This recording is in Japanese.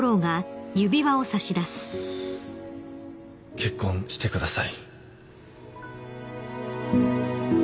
結婚してください